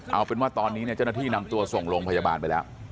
เอาเป็นว่าตอนนี้เจ้าหน้าที่นำตัวส่งโรงพยาบาลไปแล้ว